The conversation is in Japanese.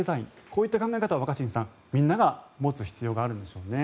こういった考え方を若新さん皆さんが持つ必要があるんですね。